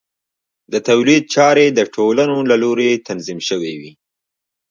د تولید چارې د ټولنو له لوري تنظیم شوې وې.